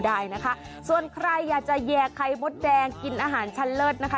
ได้นะคะส่วนใครอยากจะแยกไข่มดแดงกินอาหารชั้นเลิศนะคะ